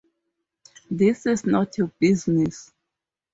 This is not your business.